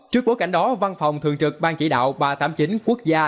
trước bối cảnh đó văn phòng thường trực ban chỉ đạo ba trăm tám mươi chín quốc gia